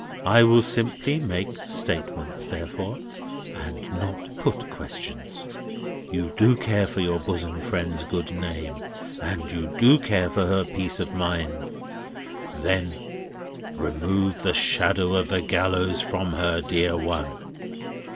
I will simply make statements, therefore, and not put questions. You do care for your bosom friend's good name, and you do care for her peace of mind. Then remove the shadow of the gallows from her, dear one!"